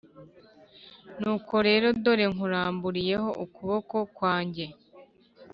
Nuko rero dore nkuramburiyeho ukuboko kwanjye